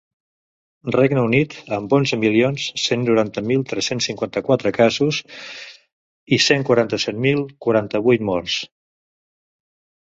Regne Unit, amb onze milions cent noranta mil tres-cents cinquanta-quatre casos i cent quaranta-set mil quaranta-vuit morts.